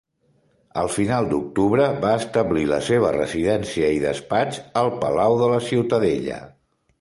Al final d'octubre, va establir la seva residència i despatx al Palau de la Ciutadella.